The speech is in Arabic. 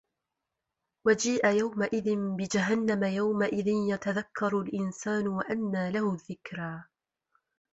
وَجِيءَ يَومَئِذٍ بِجَهَنَّمَ يَومَئِذٍ يَتَذَكَّرُ الإِنسانُ وَأَنّى لَهُ الذِّكرى